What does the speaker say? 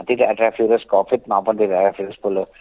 tidak ada virus covid maupun tidak ada virus sepuluh